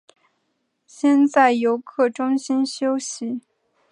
先在游客中心休息